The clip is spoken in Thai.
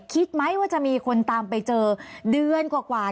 คิดไหมว่าจะมีคนตามไปเจอเดือนกว่า